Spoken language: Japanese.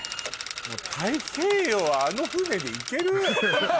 太平洋をあの船で行ける？